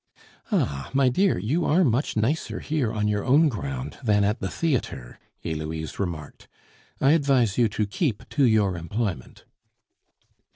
"Ah! my dear, you are much nicer here on your own ground than at the theatre," Heloise remarked. "I advise you to keep to your employment."